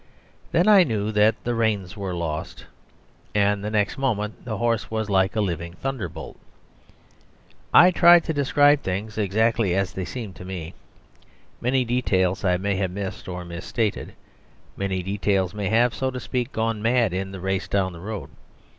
Then I knew that the reins were lost, and the next moment the horse was like a living thunder bolt. I try to describe things exactly as they seemed to me; many details I may have missed or mis stated; many details may have, so to speak, gone mad in the race down the road.